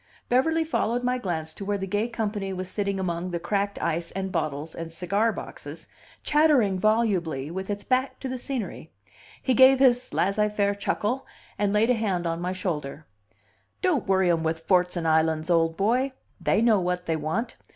Beverly followed my glance to where the gay company was sitting among the cracked ice, and bottles, and cigar boxes, chattering volubly, with its back to the scenery. He gave his laisser faire chuckle, and laid a hand on my shoulder. "Don't worry 'em with forts and islands, old boy! They know what they want.